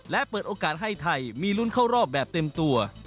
และเปิดโอกาสให้ไทยมีลุ้นเข้ารอบแบบเต็มตัว